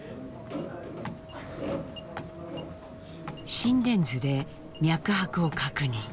心電図で脈拍を確認。